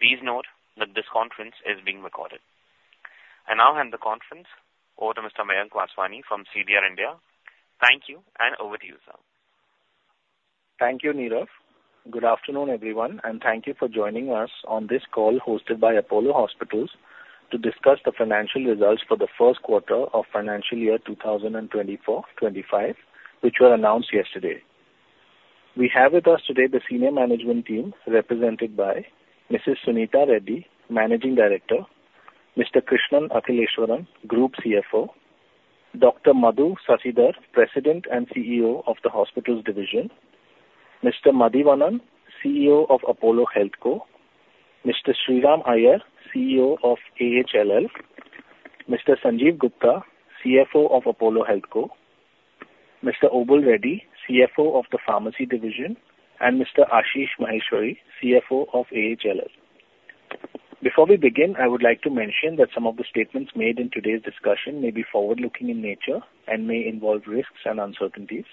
Please note that this conference is being recorded. I now hand the conference over to Mr. Mayank Vaswani from CDR India. Thank you, and over to you, sir. Thank you, Nirav. Good afternoon, everyone, and thank you for joining us on this call hosted by Apollo Hospitals to discuss the financial results for the Q1 of financial year 2024-25, which were announced yesterday. We have with us today the senior management team, represented by Mrs. Suneeta Reddy, Managing Director, Mr. Krishnan Akhileswaran, Group CFO, Dr. Madhu Sasidhar, President and CEO of the Hospitals Division, Mr. Madhivanan, CEO of Apollo HealthCo, Mr. Sriram Iyer, CEO of AHLL, Mr. Sanjeev Gupta, CFO of Apollo HealthCo, Mr. Obul Reddy, CFO of the Pharmacy Division, and Mr. Ashish Maheshwari, CFO of AHLL. Before we begin, I would like to mention that some of the statements made in today's discussion may be forward-looking in nature and may involve risks and uncertainties.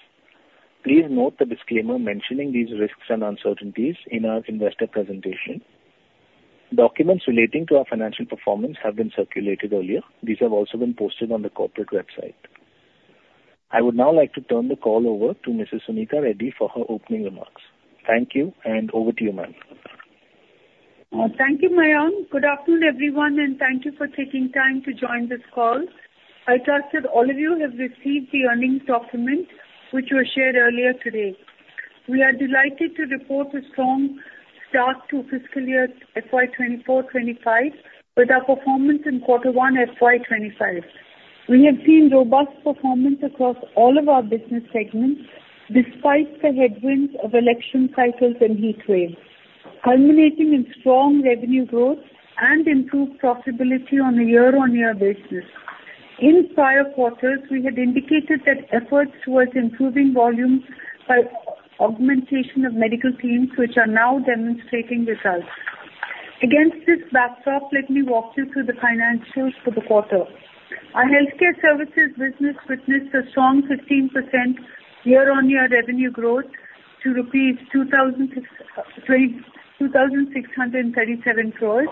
Please note the disclaimer mentioning these risks and uncertainties in our investor presentation. Documents relating to our financial performance have been circulated earlier. These have also been posted on the corporate website. I would now like to turn the call over to Mrs. Suneeta Reddy for her opening remarks. Thank you, and over to you, ma'am. Thank you, Mayank. Good afternoon, everyone, and thank you for taking time to join this call. I trust all of you have received the earnings document, which were shared earlier today. We are delighted to report a strong start to fiscal year FY 2024-25, with our performance in quarter 1 FY 2025. We have seen robust performance across all of our business segments, despite the headwinds of election cycles and heat waves, culminating in strong revenue growth and improved profitability on a year-on-year basis. In prior quarters, we had indicated that efforts towards improving volumes by OP augmentation of medical teams, which are now demonstrating results. Against this backdrop, let me walk you through the financials for the quarter. Our healthcare services business witnessed a strong 15% year-on-year revenue growth to rupees 2,637 crore.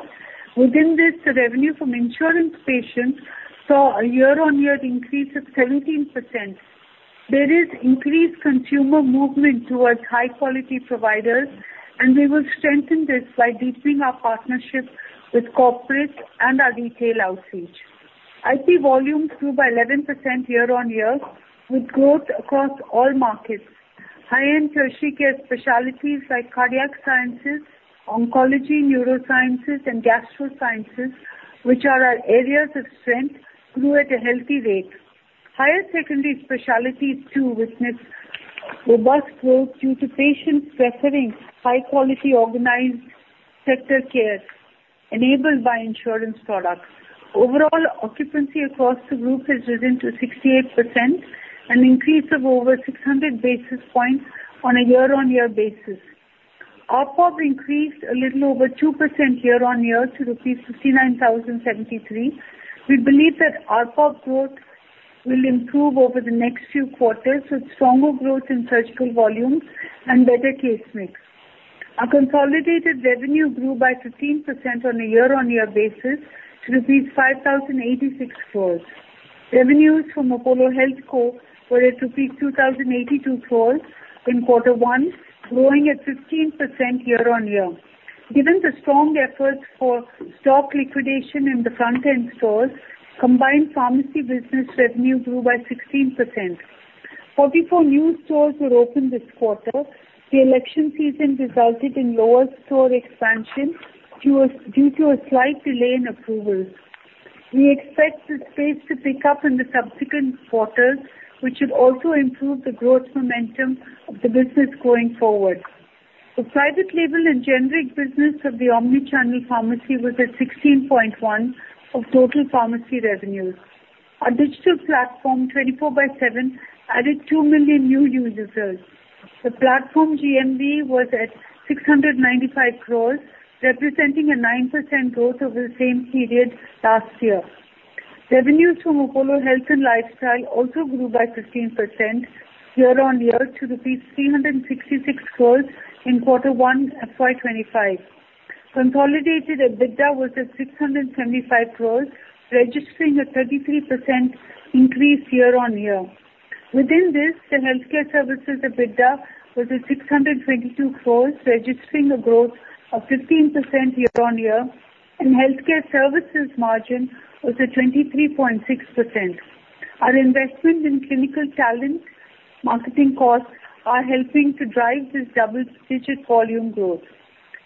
Within this, the revenue from insurance patients saw a year-on-year increase of 17%. There is increased consumer movement towards high-quality providers, and we will strengthen this by deepening our partnerships with corporates and our retail outreach. IP volumes grew by 11% year-on-year, with growth across all markets. High-end tertiary care specialties like cardiac sciences, oncology, neurosciences, and gastro sciences, which are our areas of strength, grew at a healthy rate. Higher secondary specialties, too, witnessed robust growth due to patients preferring high-quality, organized sector care enabled by insurance products. Overall, occupancy across the group has risen to 68%, an increase of over 600 basis points on a year-on-year basis. ARPOB increased a little over 2% year-on-year to rupees 59,073. We believe that ARPOB growth will improve over the next few quarters, with stronger growth in surgical volumes and better case mix. Our consolidated revenue grew by 15% on a year-on-year basis to rupees 5,086 crores. Revenues from Apollo HealthCo were at rupees 2,082 crores in quarter one, growing at 15% year-on-year. Given the strong efforts for stock liquidation in the front-end stores, combined pharmacy business revenue grew by 16%. 44 new stores were opened this quarter. The election season resulted in lower store expansion due to a slight delay in approvals. We expect this pace to pick up in the subsequent quarters, which should also improve the growth momentum of the business going forward. The private label and generic business of the omni-channel pharmacy was at 16.1% of total pharmacy revenues. Our digital platform, 24/7, added 2 million new users. The platform GMV was at 695 crore, representing a 9% growth over the same period last year. Revenues from Apollo Health and Lifestyle also grew by 15% year-on-year to 366 crore in quarter 1, FY 2025. Consolidated EBITDA was at 675 crore, registering a 33% increase year-on-year. Within this, the healthcare services EBITDA was at 622 crore, registering a growth of 15% year-on-year, and healthcare services margin was at 23.6%. Our investment in clinical talent, marketing costs, are helping to drive this double-digit volume growth.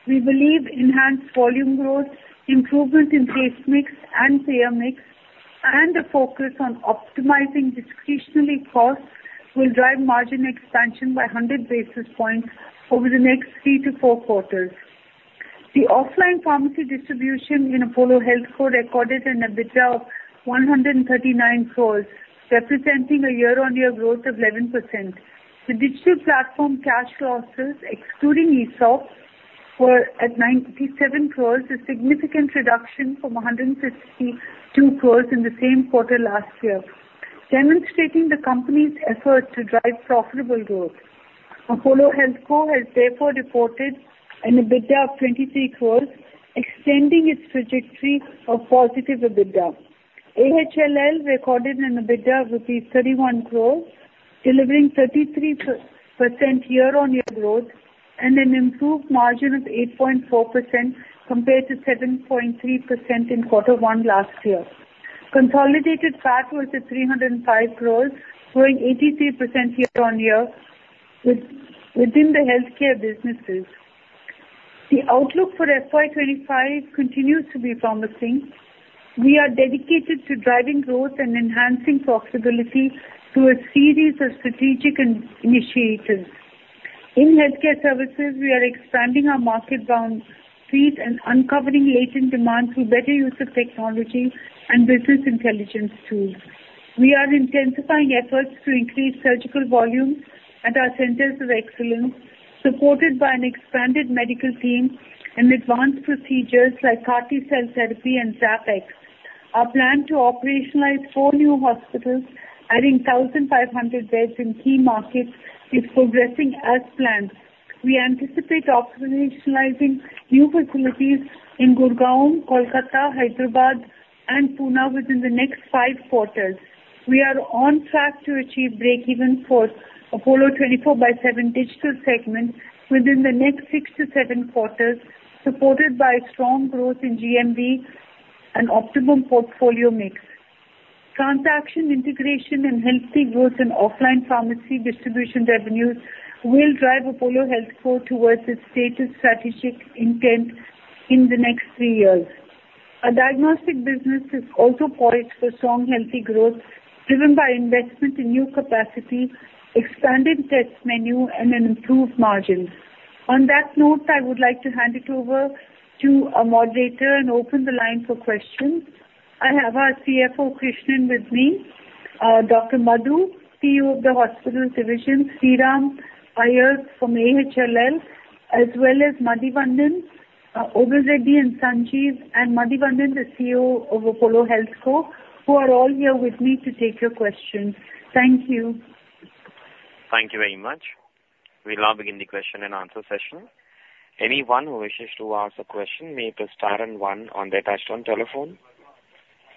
We believe enhanced volume growth, improvement in case mix and payer mix, and a focus on optimizing discretionary costs will drive margin expansion by 100 basis points over the next 3-4 quarters. The offline pharmacy distribution in Apollo HealthCo recorded an EBITDA of 139 crore, representing a year-on-year growth of 11%. The digital platform cash losses, excluding ESOP, were at 97 crore, a significant reduction from 152 crore in the same quarter last year, demonstrating the company's effort to drive profitable growth. Apollo HealthCo has therefore reported an EBITDA of 23 crore, extending its trajectory of positive EBITDA. AHLL recorded an EBITDA of INR 31 crore, delivering 33% year-on-year growth and an improved margin of 8.4% compared to 7.3% in quarter one last year. Consolidated PAT was at 305 crore, growing 83% year-on-year within the healthcare businesses. The outlook for FY 2025 continues to be promising. We are dedicated to driving growth and enhancing profitability through a series of strategic initiatives. In healthcare services, we are expanding our market ground feet and uncovering latent demand through better use of technology and business intelligence tools. We are intensifying efforts to increase surgical volumes at our centers of excellence, supported by an expanded medical team and advanced procedures like CAR-T cell therapy and ZAP-X. Our plan to operationalize four new hospitals, adding 1,500 beds in key markets, is progressing as planned. We anticipate operationalizing new facilities in Gurugram, Kolkata, Hyderabad, and Pune within the next five quarters. We are on track to achieve breakeven for Apollo 24/7 digital segment within the next six to seven quarters, supported by strong growth in GMV and optimum portfolio mix. Transaction integration and healthy growth in offline pharmacy distribution revenues will drive Apollo HealthCo towards its stated strategic intent in the next three years. Our diagnostic business is also poised for strong, healthy growth, driven by investment in new capacity, expanded test menu, and improved margins. On that note, I would like to hand it over to our moderator and open the line for questions. I have our CFO, Krishnan, with me, Dr. Madhu, CEO of the hospital division, Sriram Iyer from AHLL, as well as Madhivanan, Obul Reddy, and Sanjeev, and Madhivanan, the CEO of Apollo HealthCo, who are all here with me to take your questions. Thank you. Thank you very much. We'll now begin the question and answer session. Anyone who wishes to ask a question may press star and one on their touchtone telephone.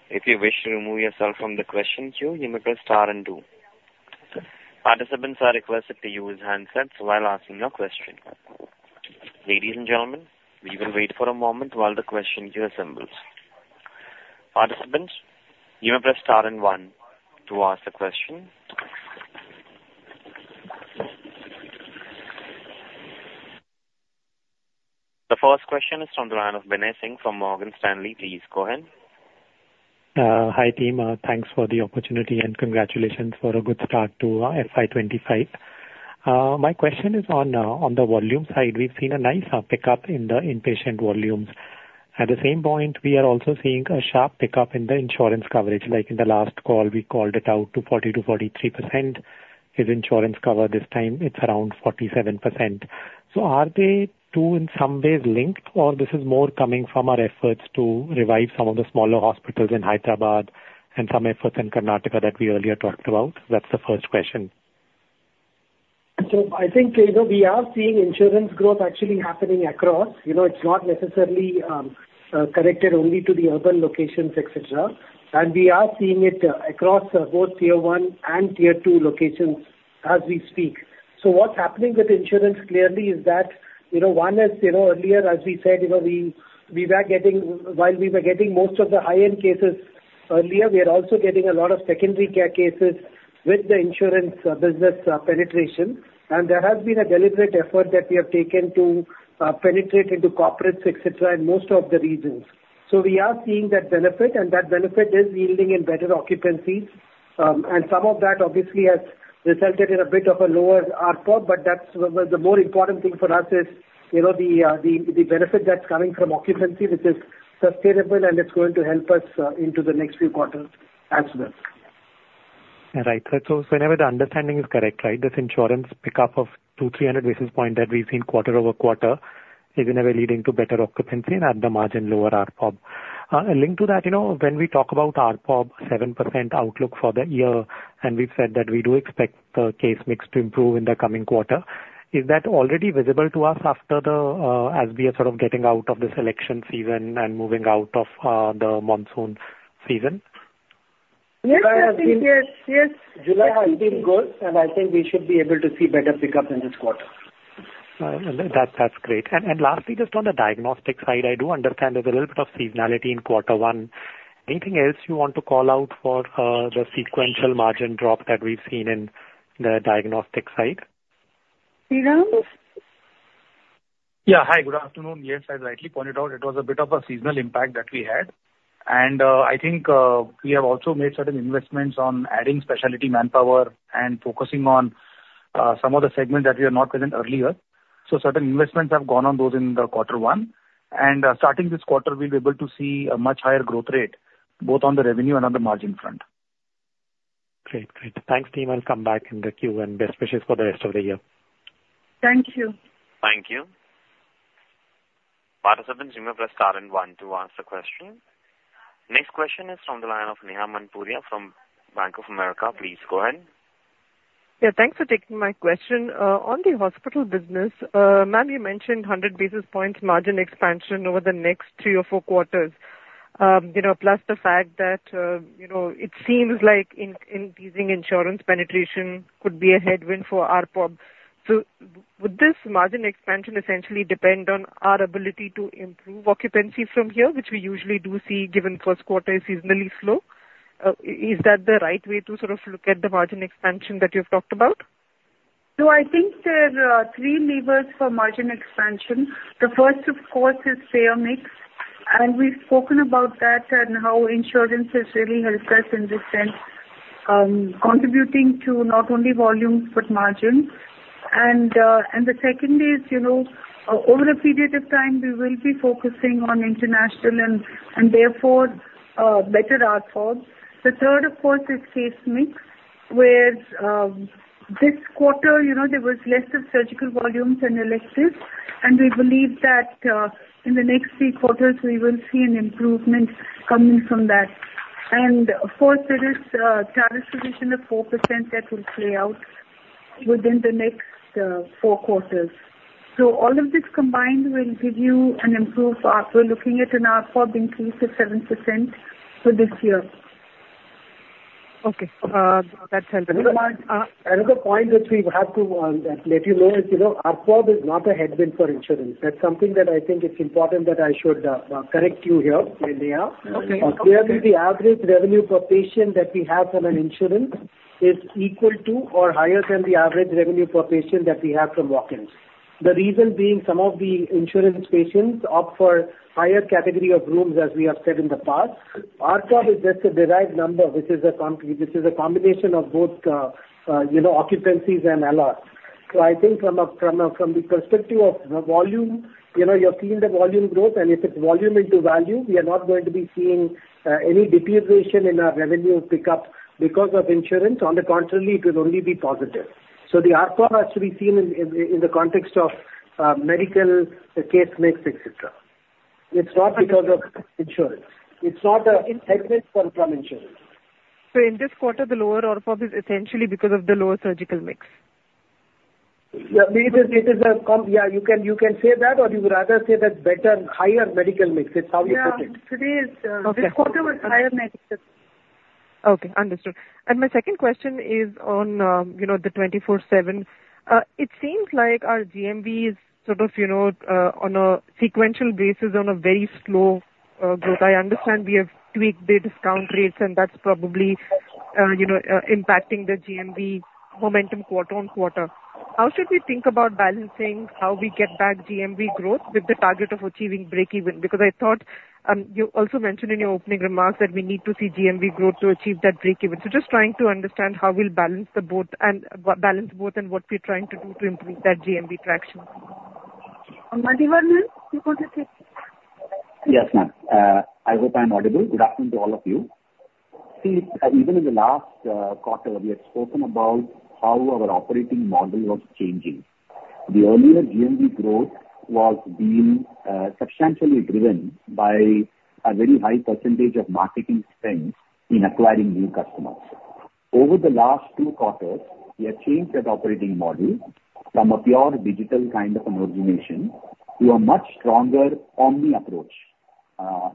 If you wish to remove yourself from the question queue, you may press star and two. Participants are requested to use handsets while asking your question. Ladies and gentlemen, we will wait for a moment while the question queue assembles. Participants, you may press star and one to ask a question. The first question is from the line of Binay Singh from Morgan Stanley. Please go ahead. Hi, team. Thanks for the opportunity, and congratulations for a good start to FY 25. My question is on the volume side. We've seen a nice pickup in the inpatient volumes. At the same point, we are also seeing a sharp pickup in the insurance coverage. Like, in the last call, we called it out to 40%-43% is insurance cover. This time it's around 47%. So are they two in some ways linked, or this is more coming from our efforts to revive some of the smaller hospitals in Hyderabad and some efforts in Karnataka that we earlier talked about? That's the first question. So I think, you know, we are seeing insurance growth actually happening across. You know, it's not necessarily connected only to the urban locations, et cetera. And we are seeing it across both Tier One and Tier Two locations as we speak. So what's happening with insurance clearly is that, you know, one, as you know, earlier, as we said, you know, we, we were getting... While we were getting most of the high-end cases earlier, we are also getting a lot of secondary care cases with the insurance business penetration. And there has been a deliberate effort that we have taken to penetrate into corporates, et cetera, in most of the regions. So we are seeing that benefit, and that benefit is yielding in better occupancies. And some of that obviously has resulted in a bit of a lower ARPOB, but that's the more important thing for us is, you know, the benefit that's coming from occupancy, which is sustainable, and it's going to help us into the next few quarters as well. Right. So whenever the understanding is correct, right, this insurance pickup of 200-300 basis points that we've seen quarter-over-quarter is whenever leading to better occupancy and at the margin, lower ARPOB. A link to that, you know, when we talk about ARPOB, 7% outlook for the year, and we've said that we do expect the case mix to improve in the coming quarter, is that already visible to us after the, as we are sort of getting out of this election season and moving out of, the monsoon season? Yes, yes, yes. July has been good, and I think we should be able to see better pickup in this quarter. That's, that's great. And, and lastly, just on the diagnostic side, I do understand there's a little bit of seasonality in quarter one. Anything else you want to call out for, the sequential margin drop that we've seen in the diagnostic side? Sriram? Yeah. Hi, good afternoon. Yes, as rightly pointed out, it was a bit of a seasonal impact that we had. And, I think, we have also made certain investments on adding specialty manpower and focusing on, some of the segments that we are not present earlier. So certain investments have gone on those in the quarter one, and, starting this quarter, we'll be able to see a much higher growth rate, both on the revenue and on the margin front. Great. Great. Thanks, team, I'll come back in the queue, and best wishes for the rest of the year. Thank you. Thank you. Participants, you may press star and one to ask a question. Next question is from the line of Neha Manpuria from Bank of America. Please go ahead. Yeah, thanks for taking my question. On the hospital business, ma'am, you mentioned 100 basis points margin expansion over the next 3 or 4 quarters. You know, plus the fact that, you know, it seems like increasing insurance penetration could be a headwind for ARPOB. So would this margin expansion essentially depend on our ability to improve occupancy from here, which we usually do see, given Q1 is seasonally slow? Is that the right way to sort of look at the margin expansion that you've talked about? I think there are three levers for margin expansion. The first, of course, is payer mix, and we've spoken about that and how insurance has really helped us in this sense, contributing to not only volumes, but margins. And the second is, you know, over a period of time, we will be focusing on international and therefore better ARPOB. The third, of course, is case mix, where this quarter, you know, there was less of surgical volumes and electives, and we believe that in the next three quarters, we will see an improvement coming from that. And of course, there is tariff revision of 4% that will play out within the next four quarters. So all of this combined will give you an improved ARPOB. We're looking at an ARPOB increase of 7% for this year. Okay, that's helpful. Another point which we have to let you know is, you know, ARPOB is not a headwind for insurance. That's something that I think it's important that I should correct you here, Neha. Okay. Clearly, the average revenue per patient that we have from an insurance is equal to or higher than the average revenue per patient that we have from walk-ins. The reason being some of the insurance patients opt for higher category of rooms, as we have said in the past. ARPOB is just a derived number, which is a combination of both, you know, occupancies and ALRs. So I think from the perspective of the volume, you know, you're seeing the volume growth, and if it's volume into value, we are not going to be seeing any deterioration in our revenue pick up because of insurance. On the contrary, it will only be positive. So the ARPOB has to be seen in the context of medical, the case mix, et cetera. It's not because of insurance. It's not a headwind from, from insurance. In this quarter, the lower ARPOB is essentially because of the lower surgical mix? Yeah, it is, it is. Yeah, you can, you can say that, or you would rather say that better, higher medical mix. It's how you put it. Yeah, today is, Okay. This quarter was higher medical. Okay, understood. And my second question is on, you know, the 24/7. It seems like our GMV is sort of, you know, on a sequential basis, on a very slow growth. I understand we have tweaked the discount rates and that's probably, you know, impacting the GMV momentum quarter-on-quarter. How should we think about balancing how we get back GMV growth with the target of achieving breakeven? Because I thought, you also mentioned in your opening remarks that we need to see GMV growth to achieve that breakeven. So just trying to understand how we'll balance both and what we're trying to do to improve that GMV traction. Madhivanan, you want to take? Yes, ma'am. I hope I'm audible. Good afternoon to all of you. See, even in the last quarter, we had spoken about how our operating model was changing. The earlier GMV growth was being substantially driven by a very high percentage of marketing spend in acquiring new customers. Over the last two quarters, we have changed that operating model from a pure digital kind of an origination to a much stronger omni approach.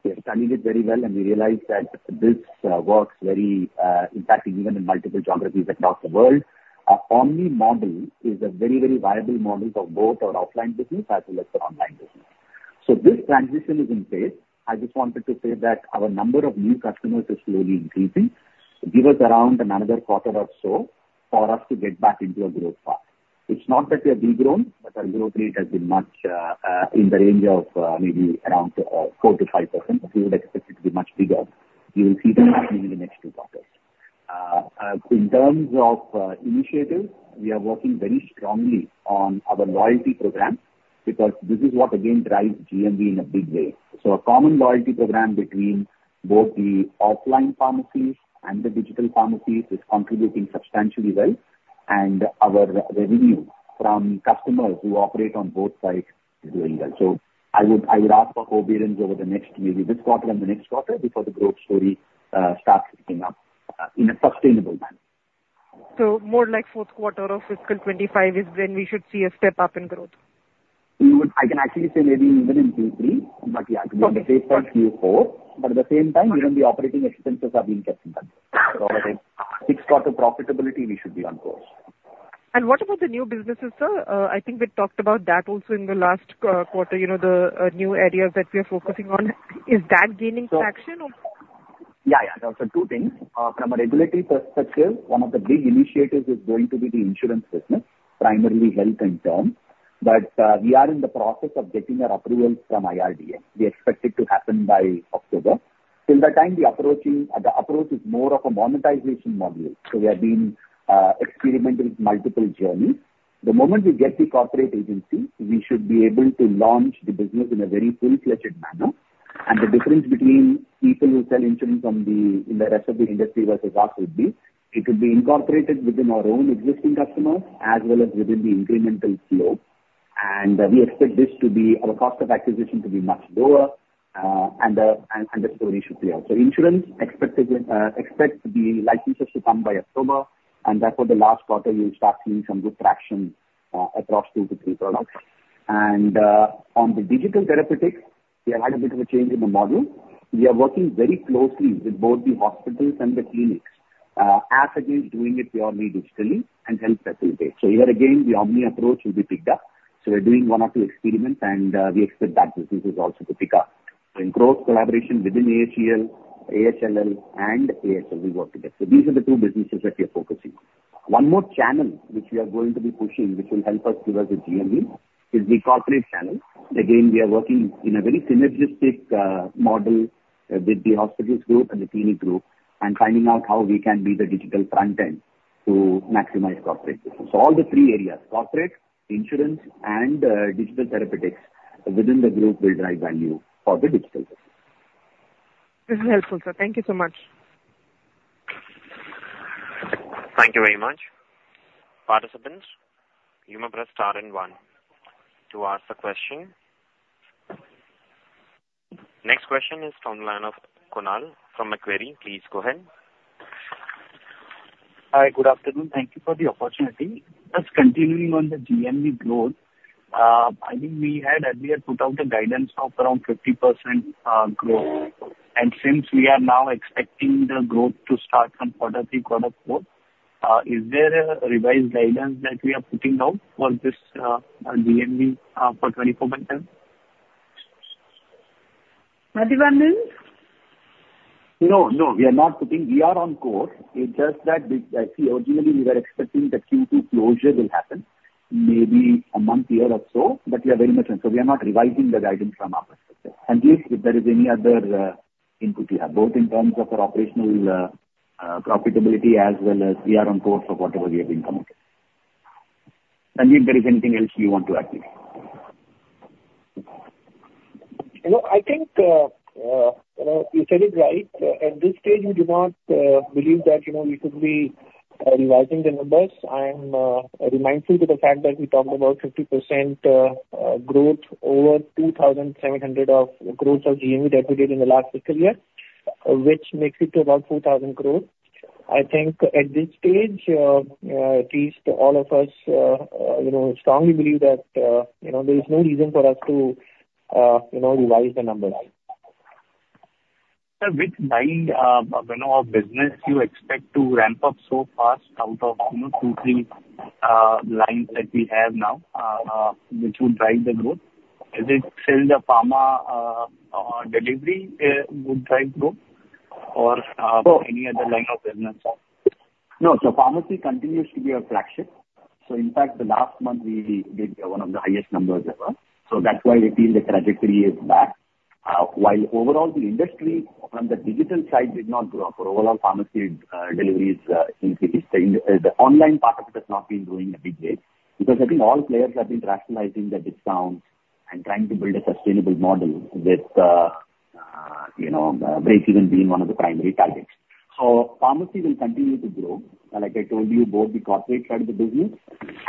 We are studying it very well, and we realize that this works very impactful even in multiple geographies across the world. Our omni model is a very, very viable model for both our offline business as well as our online business. So this transition is in place. I just wanted to say that our number of new customers is slowly increasing. Give us around another quarter or so for us to get back into a growth path. It's not that we have degrown, but our growth rate has been much, in the range of, maybe around, 4%-5%. We would expect it to be much bigger. You will see that happening in the next two quarters. In terms of, initiatives, we are working very strongly on our loyalty program because this is what again drives GMV in a big way. So a common loyalty program between both the offline pharmacies and the digital pharmacies is contributing substantially well, and our revenue from customers who operate on both sides is doing well. So I would, I would ask for forbearance over the next, maybe this quarter and the next quarter, before the growth story, starts picking up, in a sustainable manner. So more like Q4 of fiscal 25 is when we should see a step-up in growth? I can actually say maybe even in Q3, but yeah- Okay. From a safe point, Q4. But at the same time, even the operating expenses are being kept in check. So sixth quarter profitability, we should be on course. What about the new businesses, sir? I think we talked about that also in the last quarter, you know, the new areas that we are focusing on. Is that gaining traction or? Yeah, yeah. So two things. From a regulatory perspective, one of the big initiatives is going to be the insurance business, primarily health and term. But we are in the process of getting our approvals from IRDA. We expect it to happen by October. Till that time, we are approaching, the approach is more of a monetization module. So we are being experimental with multiple journeys. The moment we get the corporate agency, we should be able to launch the business in a very full-fledged manner. And the difference between people who sell insurance from the, in the rest of the industry versus us would be, it would be incorporated within our own existing customers as well as within the incremental flow. And we expect this to be, our cost of acquisition to be much lower, and the story should play out. So insurance, expected, expect the licenses to come by October, and therefore the last quarter you'll start seeing some good traction, across 2-3 products. And, on the digital therapeutics, we have had a bit of a change in the model. We are working very closely with both the hospitals and the clinics, as against doing it purely digitally and help facilitate. So here again, the omni approach will be picked up. So we're doing 1 or 2 experiments, and, we expect that businesses also to pick up. In close collaboration within HCL, AHLL, and AHL, we work together. So these are the two businesses that we are focusing. One more channel which we are going to be pushing, which will help us grow the GMV, is the corporate channel. Again, we are working in a very synergistic model with the hospitals group and the clinic group, and finding out how we can be the digital front end to maximize corporate business. So all the three areas, corporate, insurance, and digital therapeutics within the group will drive value for the digital business. This is helpful, sir. Thank you so much. Thank you very much. Participants, you may press star and one to ask the question. Next question is from the line of Kunal from Macquarie. Please go ahead. Hi, good afternoon. Thank you for the opportunity. Just continuing on the GMV growth, I think we had earlier put out a guidance of around 50% growth. And since we are now expecting the growth to start from quarter three, quarter four, is there a revised guidance that we are putting out for this, GMV, for 24 months then? Madhavan? No, no, we are not putting... We are on course. It's just that we- see, originally we were expecting the Q2 closure will happen maybe a month here or so, but we are very much on, so we are not revising the guidance from our perspective. Unless if there is any other, input you have, both in terms of our operational, profitability as well as we are on course of whatever we have been committed. And if there is anything else you want to add in. You know, I think, you know, you said it right. At this stage, we do not believe that, you know, we should be revising the numbers. I'm reminding you to the fact that we talked about 50% growth over 2,700 crore of growth of GMV that we did in the last fiscal year, which makes it to about 4,000 crore. I think at this stage, at least all of us, you know, strongly believe that, you know, there is no reason for us to, you know, revise the numbers. Sir, which line, you know, of business do you expect to ramp up so fast out of, you know, 2, 3 lines that we have now, which would drive the growth? Is it still the pharma delivery would drive growth or any other line of business? No. So pharmacy continues to be our flagship. So in fact, the last month we did one of the highest numbers ever. So that's why I feel the trajectory is back. While overall the industry from the digital side did not grow for overall pharmacy deliveries, the online part of it has not been doing in a big way. Because I think all players have been rationalizing the discounts and trying to build a sustainable model with, you know, breakeven being one of the primary targets. So pharmacy will continue to grow. Like I told you, both the corporate side of the business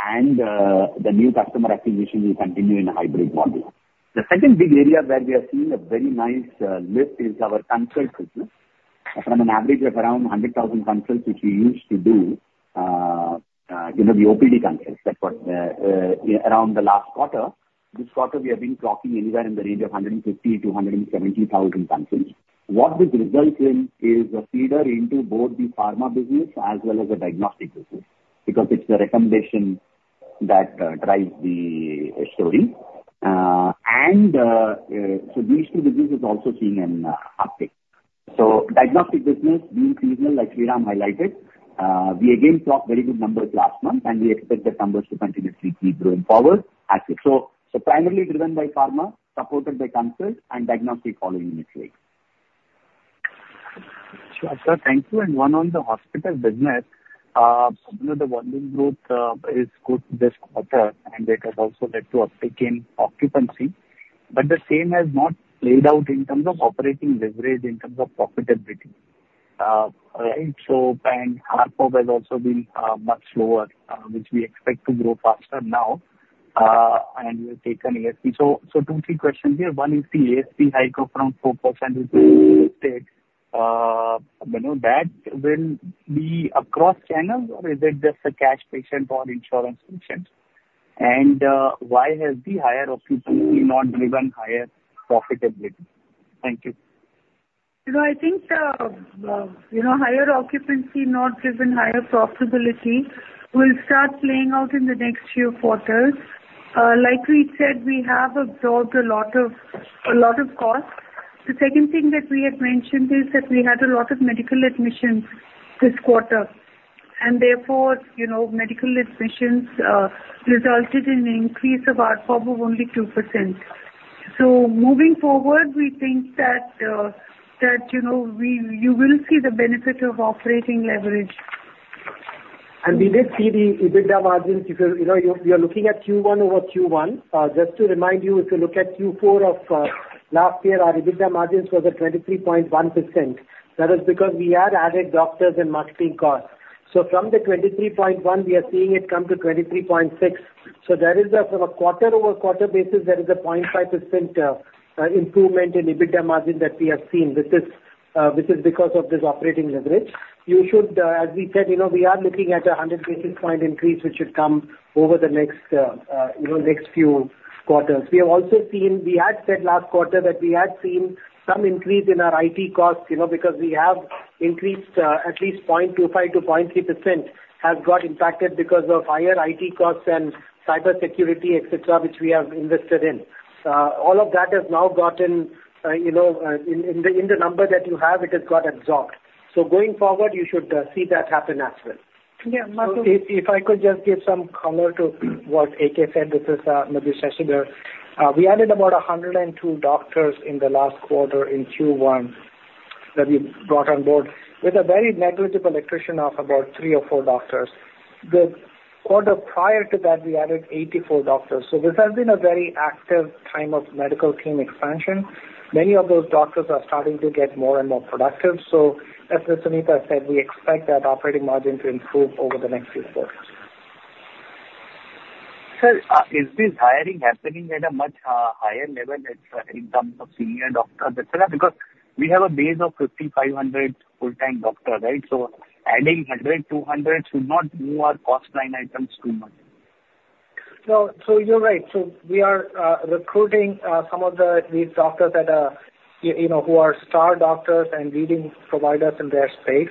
and the new customer acquisition will continue in a hybrid model. The second big area where we are seeing a very nice lift is our consult business. From an average of around 100,000 consults, which we used to do, you know, the OPD consults, that for around the last quarter. This quarter we have been talking anywhere in the range of 150,000 to 170,000 consults. What this results in is a feeder into both the pharma business as well as the diagnostic business, because it's the recommendation that drives the story. And so these two businesses is also seeing an uptick. So diagnostic business being seasonal, like Sriram highlighted, we again saw very good numbers last month, and we expect the numbers to continuously keep growing forward as so. So primarily driven by pharma, supported by consult, and diagnostic following its way. Sure, sir. Thank you. And one on the hospital business. You know, the volume growth is good this quarter, and it has also led to uptick in occupancy, but the same has not played out in terms of operating leverage, in terms of profitability. Right? So, and ARPOB has also been much lower, which we expect to grow faster now, and we've taken ASP. So, so two, three questions here. One is the ASP hike of around 4%, you know, that will be across channels, or is it just a cash patient or insurance patients? And, why has the higher occupancy not driven higher profitability? Thank you. You know, I think, you know, higher occupancy not driven higher profitability will start playing out in the next few quarters. Like we said, we have absorbed a lot of, a lot of costs. The second thing that we had mentioned is that we had a lot of medical admissions this quarter, and therefore, you know, medical admissions resulted in an increase of ARPOB of only 2%. So moving forward, we think that, you know, you will see the benefit of operating leverage. ... And we did see the EBITDA margins, because, you know, you're looking at Q1 over Q1. Just to remind you, if you look at Q4 of last year, our EBITDA margins were at 23.1%. That is because we had added doctors and marketing costs. So from the 23.1, we are seeing it come to 23.6. So there is a, from a quarter-over-quarter basis, there is a 0.5%, improvement in EBITDA margin that we have seen. This is because of this operating leverage. You should, as we said, you know, we are looking at a 100 basis points increase, which should come over the next, you know, next few quarters. We have also seen. We had said last quarter that we had seen some increase in our IT costs, you know, because we have increased, at least 0.25%-0.3%, have got impacted because of higher IT costs and cybersecurity, et cetera, which we have invested in. All of that has now gotten, you know, in the number that you have, it has got absorbed. So going forward, you should see that happen as well. Yeah, Madhu- If I could just give some color to what AK said, this is Madhu Sasidhar. We added about 102 doctors in the last quarter, in Q1, that we brought on board, with a very negligible attrition of about 3 or 4 doctors. The quarter prior to that, we added 84 doctors. So this has been a very active time of medical team expansion. Many of those doctors are starting to get more and more productive, so as Sunita said, we expect that operating margin to improve over the next few quarters. Sir, is this hiring happening at a much higher level than in terms of senior doctors, et cetera? Because we have a base of 5,500 full-time doctor, right? So adding 100, 200 should not move our cost line items too much. No, so you're right. So we are recruiting some of these doctors that are, you know, who are star doctors and leading providers in their space.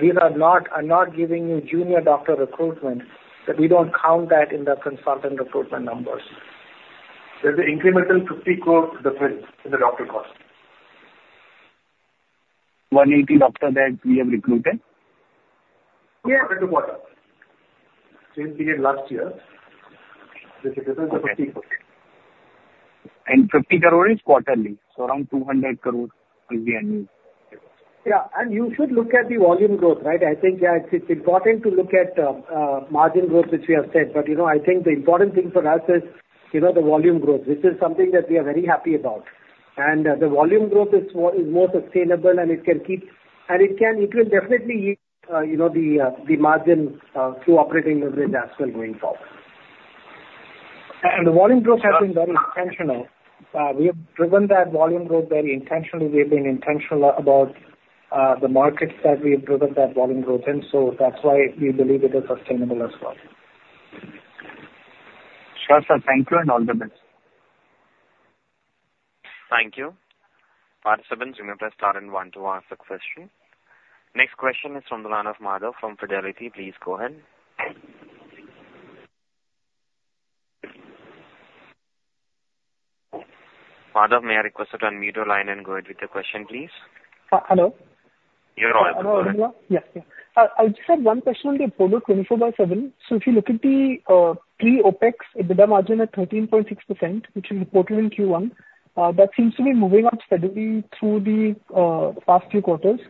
These are not giving you junior doctor recruitment that we don't count that in the consultant recruitment numbers. There's an incremental 50 crore difference in the doctor cost. 180 doctors that we have recruited? Yeah. Quarter to quarter, same we did last year. There's a difference of INR 50 crore. 50 crore is quarterly, so around 200 crore will be annual. Yeah, and you should look at the volume growth, right? I think it's important to look at margin growth, which we have said, but you know, I think the important thing for us is you know, the volume growth. This is something that we are very happy about. The volume growth is more sustainable, and it will definitely you know, the margin through operating leverage as well, going forward. The volume growth has been very intentional. We have driven that volume growth very intentionally. We've been intentional about the markets that we have driven that volume growth in, so that's why we believe it is sustainable as well. Sure, sir. Thank you, and all the best. Thank you. Participants, you may press star and one to ask a question. Next question is from the line of Madhav from Fidelity. Please go ahead. Madhav, may I request you to unmute your line and go ahead with your question, please? Uh, hello? You're on. Hello. Yes, yeah. I just had one question on the Apollo 24/7. So if you look at the pre-OpEx EBITDA margin at 13.6%, which you reported in Q1, that seems to be moving up steadily through the past few quarters.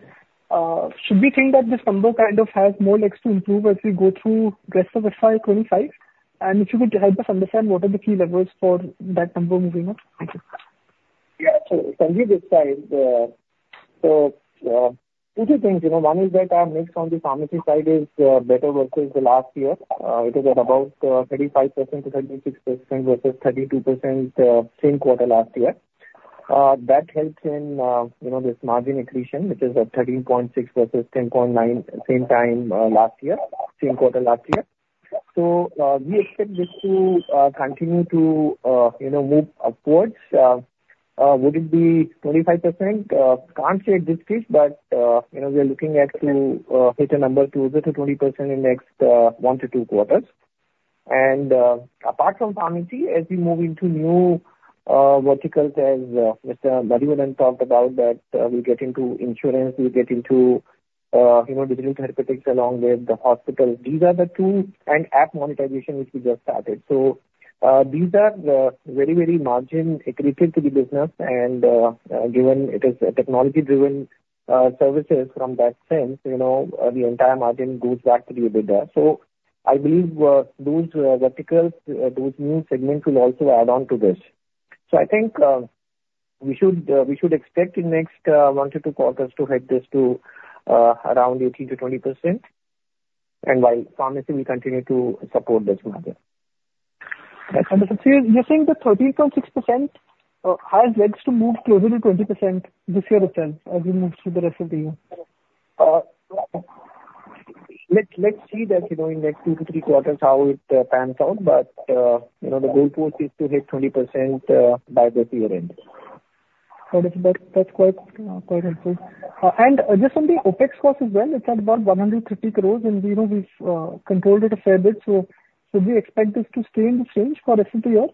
Should we think that this number kind of has more legs to improve as we go through rest of FY 2025? And if you could help us understand what are the key levers for that number moving up? Thank you. Yeah, so from this side, so, two things, you know, one is that our mix on the pharmacy side is, better versus the last year. It is at about, 35%-36%, versus 32%, same quarter last year. That helps in, you know, this margin accretion, which is at 13.6 versus 10.9, same time, last year, same quarter last year. So, we expect this to, continue to, you know, move upwards. Would it be 25%? Can't say at this stage, but, you know, we are looking at to, hit a number closer to 20% in next, one to two quarters. And, apart from pharmacy, as we move into new, verticals, as, Mr. Madhivanan talked about that we get into insurance, we get into you know digital therapeutics along with the hospitals. These are the two, and app monetization, which we just started. So these are very, very margin accretive to the business, and given it is a technology-driven services from that sense, you know the entire margin goes back to the EBITDA. So I believe those verticals, those new segments will also add on to this. So I think we should, we should expect in next 1-2 quarters to head this to around 18%-20%, and while pharmacy will continue to support this margin. So you're saying the 13.6% has legs to move closer to 20% this year itself, as we move through the rest of the year? Let's see that, you know, in the 2-3 quarters, how it pans out. But, you know, the goal post is to hit 20%, by the year end. That is, that's quite helpful. And just on the OpEx cost as well, it's at about 150 crore, and we know we've controlled it a fair bit, so should we expect this to stay in the same for rest of the year?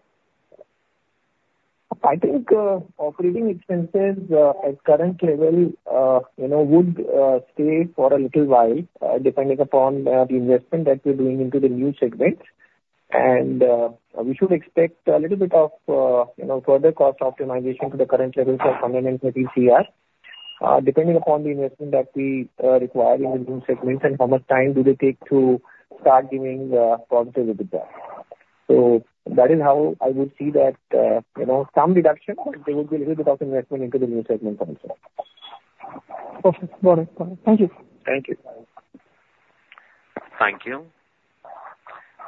I think, operating expenses, at current level, you know, would stay for a little while, depending upon the investment that we're doing into the new segments. We should expect a little bit of, you know, further cost optimization to the current levels of INR 150 crore. Depending upon the investment that we require in the new segments, and how much time do they take to start giving positive EBITDA. So that is how I would see that, you know, some reduction, but there will be a little bit of investment into the new segment also. Okay. Got it, got it. Thank you. Thank you. Thank you.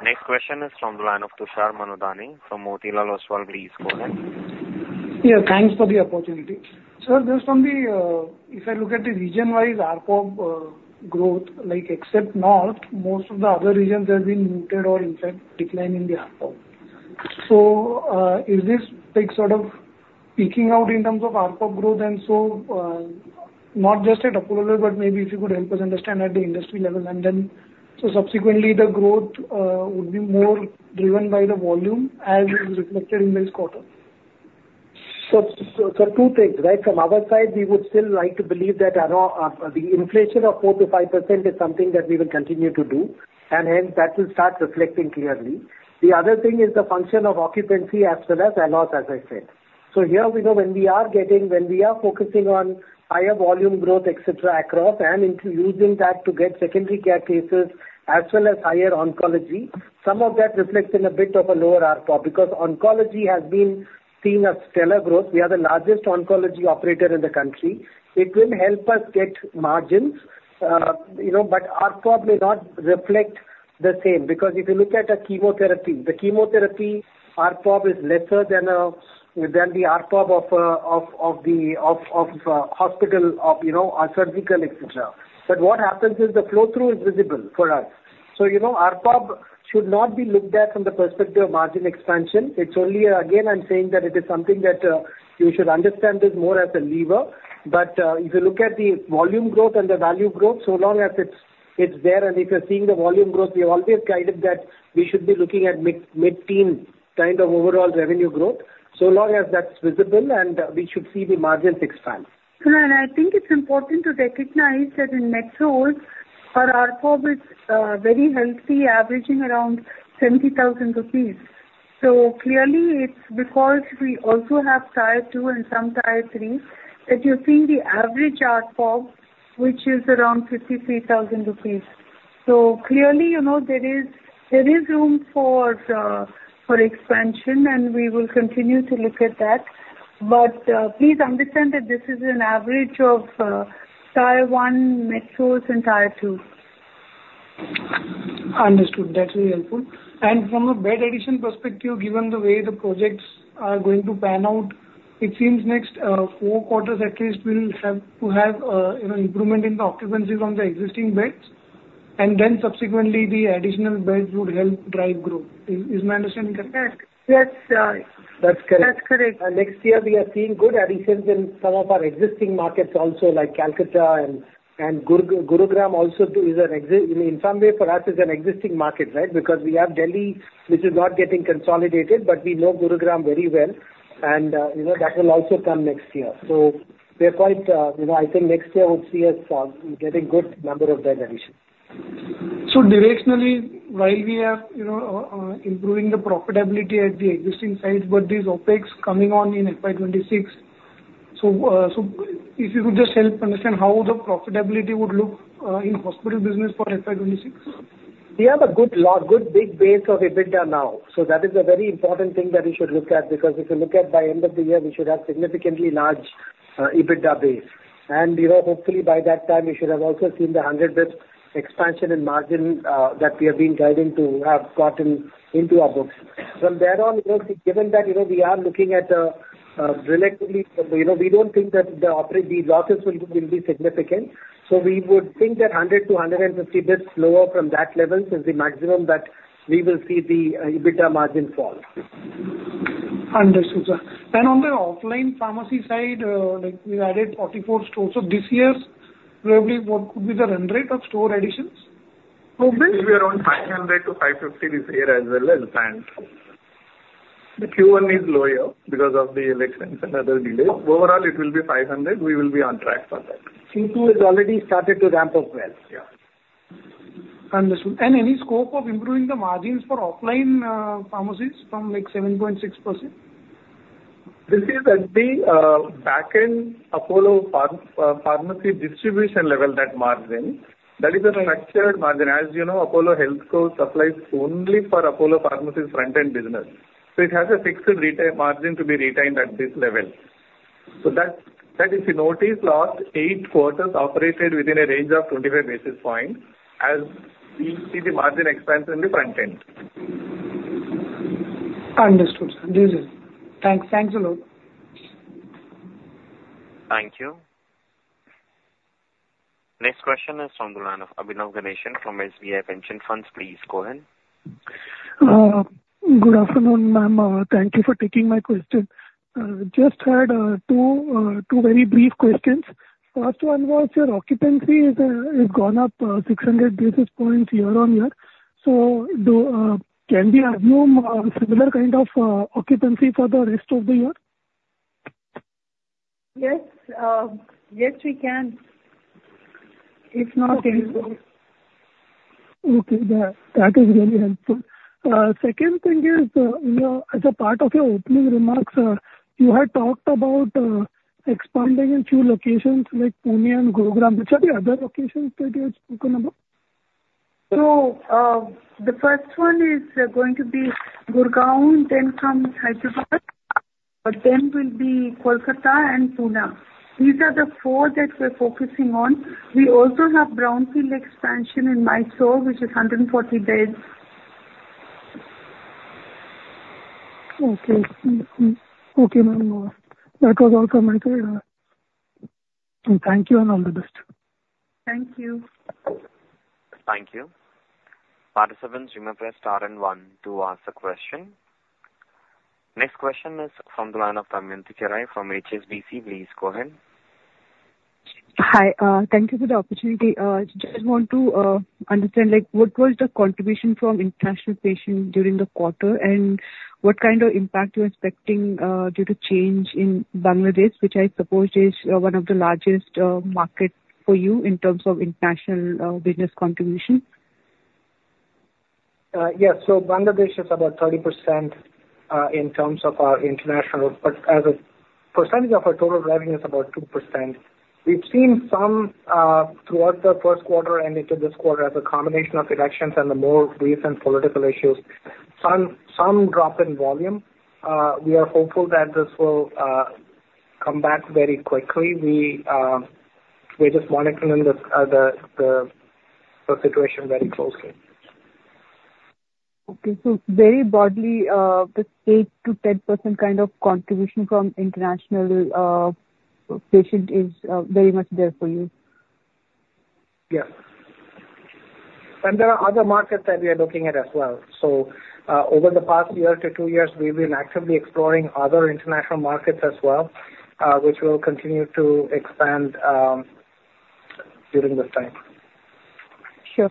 Next question is from the line of Tushar Manudhane from Motilal Oswal. Please go ahead. Yeah, thanks for the opportunity. Sir, just on the, if I look at the region-wise ARPOB growth, like except North, most of the other regions have been muted or, in fact, decline in the ARPOB. So, is this like sort of peaking out in terms of ARPOB growth? And then, so subsequently, the growth would be more driven by the volume, as is reflected in this quarter. So, so two things, right? From our side, we would still like to believe that our, the inflation of 4%-5% is something that we will continue to do, and hence, that will start reflecting clearly. The other thing is the function of occupancy as well as ALOS, as I said. So here we know when we are focusing on higher volume growth, et cetera, across, and into using that to get secondary care cases as well as higher oncology, some of that reflects in a bit of a lower ARPOB, because oncology has been seen as stellar growth. We are the largest oncology operator in the country. It will help us get margins, you know, but ARPOB may not reflect the same. Because if you look at a chemotherapy, the chemotherapy ARPOB is lesser than than the ARPOB of of of the of of hospital, of, you know, our surgical, et cetera. But what happens is the flow-through is visible for us. So, you know, ARPOB should not be looked at from the perspective of margin expansion. It's only, again, I'm saying that it is something that you should understand it more as a lever. But, if you look at the volume growth and the value growth, so long as it's it's there, and if you're seeing the volume growth, we have always guided that we should be looking at mid mid-teen kind of overall revenue growth, so long as that's visible, and we should see the margins expand. Sir, I think it's important to recognize that in metros, our ARPOB is very healthy, averaging around 70,000 rupees. So clearly, it's because we also have Tier Two and some Tier Three, that you're seeing the average ARPOB, which is around 53,000 rupees. So clearly, you know, there is room for expansion, and we will continue to look at that. But please understand that this is an average of Tier One metros and Tier Two. Understood. That's very helpful. And from a bed addition perspective, given the way the projects are going to pan out, it seems next four quarters at least, we'll have to have, you know, improvement in the occupancies on the existing beds, and then subsequently, the additional beds would help drive growth. Is my understanding correct? Yes, yes. That's correct. That's correct. Next year we are seeing good additions in some of our existing markets also, like Kolkata and Gurugram also is an existing market. In some way, for us, is an existing market, right? Because we have Delhi, which is not getting consolidated, but we know Gurugram very well, and, you know, that will also come next year. So we are quite, you know, I think next year will see us getting good number of bed addition. So directionally, while we are, you know, improving the profitability at the existing sites, but these OpEx coming on in FY 2026, so, so if you could just help understand how the profitability would look, in hospital business for FY 2026. We have a good lot, good big base of EBITDA now. So that is a very important thing that we should look at, because if you look at by end of the year, we should have significantly large EBITDA base. And, you know, hopefully by that time, we should have also seen the 100 basis expansion in margin that we have been guiding to have gotten into our books. From there on, you know, given that, you know, we are looking at relatively, you know, we don't think that the operating these losses will be significant. So we would think that 100 to 150 basis lower from that level is the maximum that we will see the EBITDA margin fall. Understood, sir. On the offline pharmacy side, like we added 44 stores. This year, probably, what could be the run rate of store additions? It will be around 500-550 this year as well as planned. The Q1 is lower because of the elections and other delays. Overall, it will be 500. We will be on track for that. Q2 has already started to ramp up well. Yeah. Understood. And any scope of improving the margins for offline pharmacies from, like, 7.6%? This is at the back-end Apollo pharmacy distribution level, that margin. That is a matured margin. As you know, Apollo HealthCo supplies only for Apollo Pharmacy's front-end business. So it has a fixed retail margin to be retained at this level. So that, if you notice, last eight quarters operated within a range of 25 basis points, as we see the margin expansion in the front end. Understood, sir. Thanks a lot. Thank you. Next question is from the line of Abhinav Ganeshan from SBI Pension Funds. Please go ahead. Good afternoon, ma'am. Thank you for taking my question. Just had two very brief questions. First one was, your occupancy is gone up 600 basis points year-on-year. So do... Can we assume similar kind of occupancy for the rest of the year? Yes, yes, we can.... It's not helpful. Okay, that, that is really helpful. Second thing is, as a part of your opening remarks, you had talked about expanding in two locations like Pune and Gurugram. Which are the other locations that you had spoken about? The first one is going to be Gurugram, then comes Hyderabad, then will be Kolkata and Pune. These are the four that we're focusing on. We also have brownfield expansion in Mysuru, which is 140 beds. Okay. Okay, ma'am. That was all from my side. Thank you, and all the best. Thank you. Thank you. Participants, remember, press star and one to ask a question. Next question is from the line of Damayanti Kerai from HSBC. Please go ahead. Hi, thank you for the opportunity. Just want to understand, like, what was the contribution from international patients during the quarter? And what kind of impact you're expecting due to change in Bangladesh, which I suppose is one of the largest market for you in terms of international business contribution. Yes. So Bangladesh is about 30% in terms of our international, but as a percentage of our total revenue is about 2%. We've seen some throughout the Q1 and into this quarter, as a combination of elections and the more recent political issues, some drop in volume. We are hopeful that this will come back very quickly. We're just monitoring the situation very closely. Okay. So very broadly, the 8%-10% kind of contribution from international patient is very much there for you? Yes. And there are other markets that we are looking at as well. So, over the past year to 2 years, we've been actively exploring other international markets as well, which will continue to expand, during this time. Sure.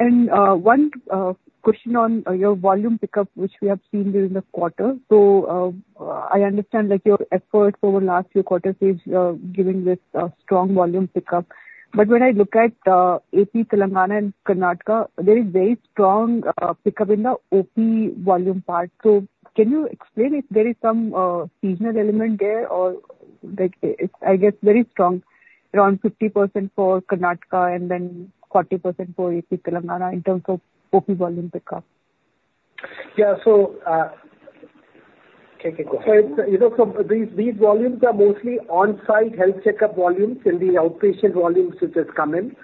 And, one, question on, your volume pickup, which we have seen during the quarter. So, I understand that your effort over the last few quarters is, giving this, strong volume pickup. But when I look at, AP-Telangana and Karnataka, there is very strong, pickup in the OP volume part. So can you explain if there is some, seasonal element there, or, like, it's, I guess, very strong, around 50% for Karnataka and then 40% for AP-Telangana in terms of OP volume pickup. Yeah. So, okay, go ahead. So, you know, so these, these volumes are mostly on-site health checkup volumes in the outpatient volumes which has come in.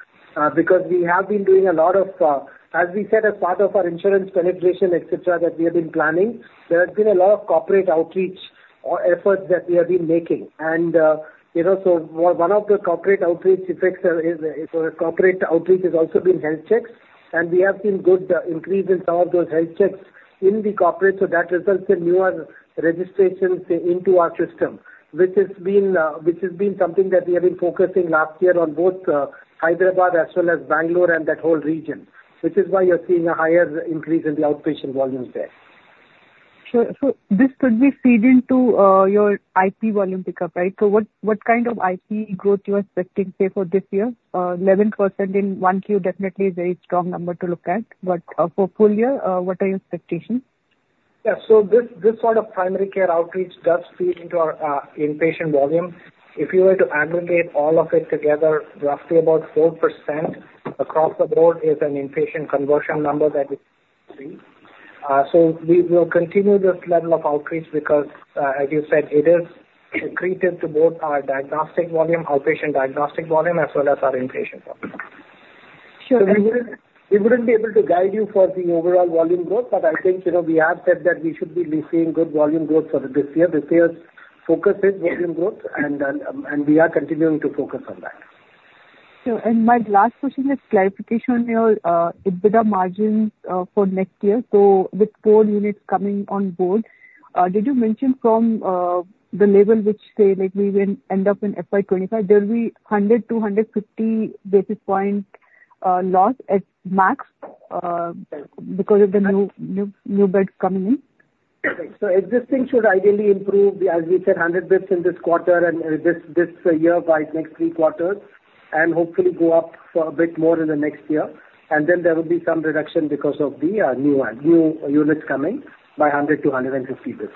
Because we have been doing a lot of. As we said, as part of our insurance penetration, et cetera, that we have been planning, there has been a lot of corporate outreach or efforts that we have been making. And, you know, so one of the corporate outreach effects is, is for the corporate outreach has also been health checks, and we have seen good, increase in some of those health checks in the corporate. So that results in newer registrations into our system, which has been, which has been something that we have been focusing last year on both, Hyderabad as well as Bangalore and that whole region. Which is why you're seeing a higher increase in the outpatient volumes there. Sure. So this could be feeding to, your IP volume pickup, right? So what, what kind of IP growth you are expecting, say, for this year? 11% in 1Q definitely is a strong number to look at, but, for full year, what are your expectations? Yeah. So this, this sort of primary care outreach does feed into our inpatient volume. If you were to aggregate all of it together, roughly about 4% across the board is an inpatient conversion number that we see. So we will continue this level of outreach because, as you said, it is accretive to both our diagnostic volume, outpatient diagnostic volume, as well as our inpatient volume. Sure. We wouldn't be able to guide you for the overall volume growth, but I think, you know, we have said that we should be seeing good volume growth for this year. This year's focus is volume growth, and we are continuing to focus on that. Sure. My last question is clarification on your EBITDA margins for next year. So with 4 units coming on board, did you mention from the level which, say, like, we will end up in FY 2025, there will be 100-150 basis points loss at max because of the new beds coming in? Right. So existing should ideally improve the, as we said, 100 basis points in this quarter and this year by next three quarters, and hopefully go up a bit more in the next year. And then there will be some reduction because of the new one, new units coming in by 100 to 150 basis points.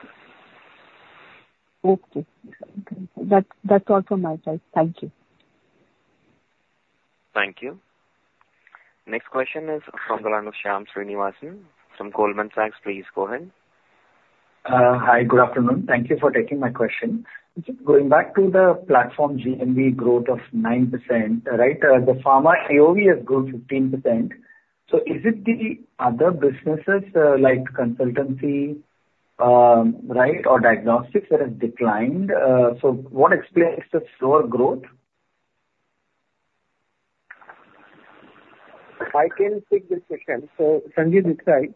Okay. That, that's all from my side. Thank you. Thank you. Next question is from the line of Shyam Srinivasan, from Goldman Sachs. Please go ahead. Hi, good afternoon. Thank you for taking my question. Just going back to the platform GMV growth of 9%, right? The pharma AOV has grown 15%. So is it the other businesses, like consultancy, right, or diagnostics that have declined? So what explains the slower growth? I can take this question. So Sanjay Desai.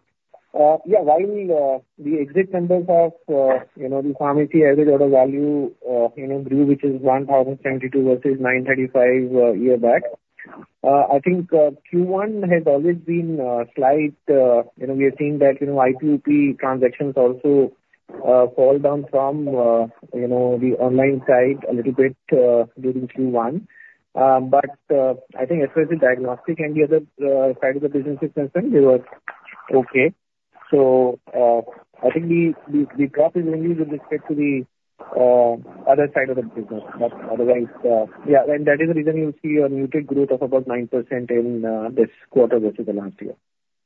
Yeah, while the exact numbers of you know the pharmacy aggregate order value you know grew which is 1,072 versus 935 year back. I think Q1 has always been slight. You know, we are seeing that you know IPP transactions also fall down from, you know, the online side a little bit, during Q1. But, I think as far as the diagnostic and the other side of the business is concerned, they were okay. So, I think the drop is only with respect to the other side of the business, but otherwise, yeah, and that is the reason you will see a muted growth of about 9% in this quarter versus the last year.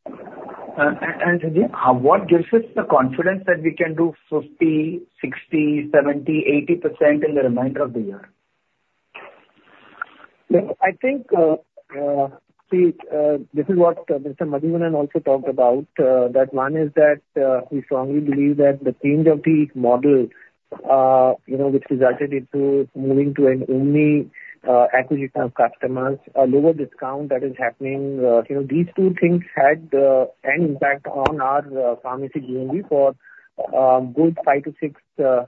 Sanjay, what gives us the confidence that we can do 50%, 60%, 70%, 80% in the remainder of the year? Yeah, I think, see, this is what Mr. Madhivanan also talked about. That one is that we strongly believe that the change of the model, you know, which resulted into moving to an omni acquisition of customers, a lower discount that is happening. You know, these two things had an impact on our pharmacy GMV for good five to six